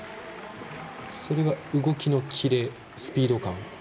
それは動きのキレスピード感？